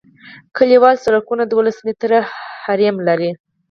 کلیوال سرکونه دولس متره حریم لري